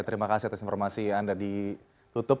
terima kasih atas informasi anda ditutup